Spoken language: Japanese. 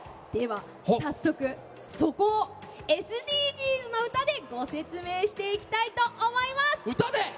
では早速、そこを「ＳＤＧｓのうた」でご説明していきたいと思います。